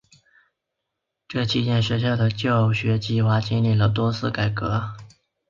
这期间学校的教学计划经历了多次改革。